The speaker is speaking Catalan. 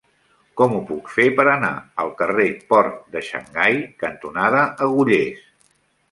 Com ho puc fer per anar al carrer Port de Xangai cantonada Agullers?